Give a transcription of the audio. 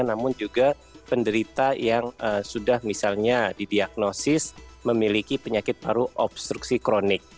namun juga penderita yang sudah misalnya didiagnosis memiliki penyakit paru obstruksi kronik